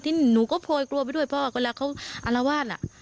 ที่หนูก็โพยกลัวไปด้วยเพราะว่าเวลาเขาอารวาส